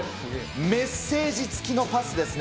メッセージ付きのパスですね。